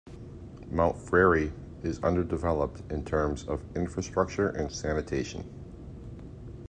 Mount Frere is underdeveloped in terms of infrastructure and sanitation.